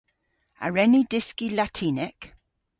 A wren ni dyski Latinek?